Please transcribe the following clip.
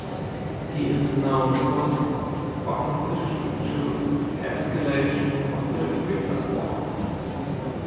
He is known for his opposition to escalation of the Vietnam War.